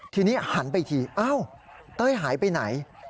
ทีนี้หันไปอีกทีอ้าวเต้ยหายไปไหน